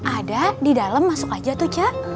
ada di dalam masuk aja tuh cak